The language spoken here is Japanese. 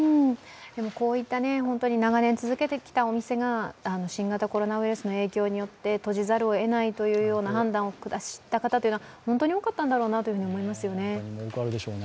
こういった長年続けてきたお店が新型コロナウイルスの影響によって閉じざるをえないという判断を下した方というのは、本当に多かったんだと思いますね。